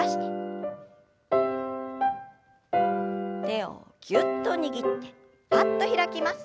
手をぎゅっと握ってぱっと開きます。